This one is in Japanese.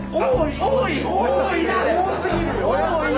多い！